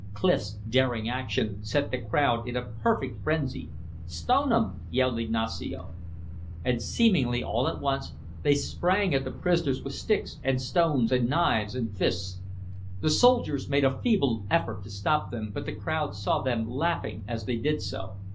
Clif's daring action set the crowd in a perfect frenzy. "Stone 'em!" yelled Ignacio. And seemingly all at once they sprang at the prisoners with sticks and stones and knives and fists. The soldiers made a feeble effort to stop them, but the crowd saw them laughing as they did so.